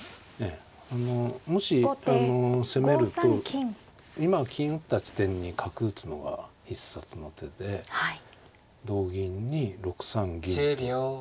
あのもし攻めると今金打った地点に角打つのが必殺の手で同銀に６三銀と打って。